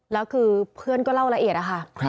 แล้วคือเพื่อนก็เล่าละเอียดอะค่ะ